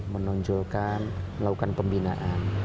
menonjolkan melakukan pembinaan